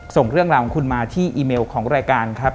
ส่งเรื่องราวของคุณมาที่อีเมลของรายการครับ